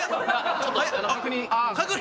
ちょっと確認。